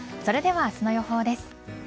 それでは明日の予報です。